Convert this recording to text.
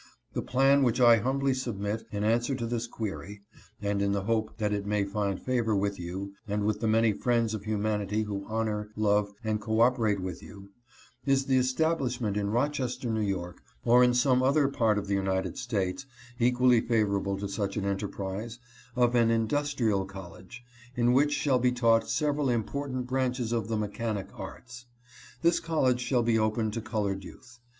The plan which I humbly submit in answer to this inquiry (and in the hope that it may find favor with you, and with the many friends of humanity who honor, love and cooporate with you) is the establishment in Rochester, 5[. Y., or in some other part of the United States equally favorable to such an enterprise, of an Industrial College in which shall be taught several important branches of the mechanic arts. This college shall be open to colored youth.